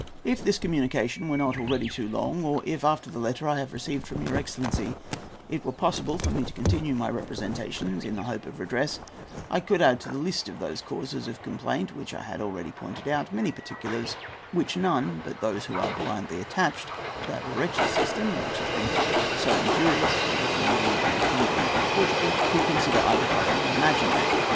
If this communication were not already too long, or if, after the letter I have received from your excellency, it were possible for me to continue my representations in the hope of redress, I could add to the list of those causes of complaint which I have already pointed out many particulars which none but those who are blindly attached to that wretched system which has been so injurious to the marine and kingdom of Portugal could consider either trifling or imaginary.